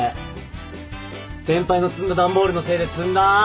先輩の積んだ段ボールのせいで詰んだ。